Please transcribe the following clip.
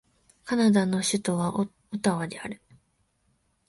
カナダの首都はオタワである